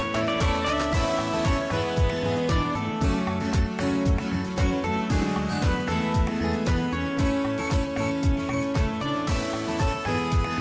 โปรดติดตามตอนต่อไป